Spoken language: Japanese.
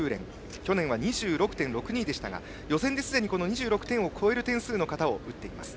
去年は２６．６２でしたが予選ですでに、２６点を超える点数の形を打っています。